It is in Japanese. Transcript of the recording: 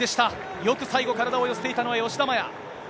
よく最後、体を寄せていたのは吉田麻也。